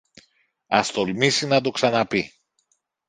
Ας τολμήσει να το ξαναπεί